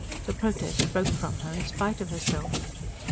The protest broke from her in spite of herself.